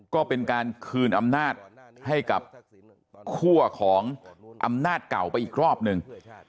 ก็เป็นการคืนอำนาจให้กับคั่วของอำนาจเก่าไปอีกรอบหนึ่ง